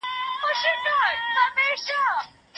سياست داسي لوبه ده چي پام پکي اړين دی.